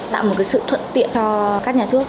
tạo một cái sự thuận tiện cho các nhà thuốc